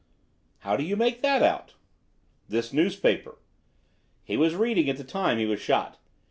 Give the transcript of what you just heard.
"How do you make that out?" "This newspaper. He was reading at the time he was shot.